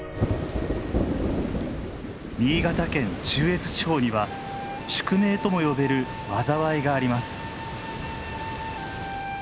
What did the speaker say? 新潟県中越地方には宿命とも呼べる災いがあります。